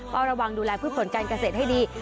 ก็ระวังดูแลพืชผลการเกษตรให้ดี